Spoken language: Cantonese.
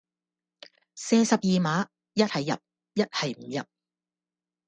射十二碼，一係入，一係唔入